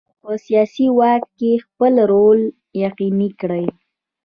په سیاسي واک کې خپل رول یقیني کړي.